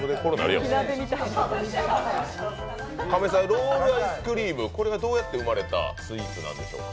ロールアイスクリーム、これはどうやって生まれたスイーツなんでしょうか。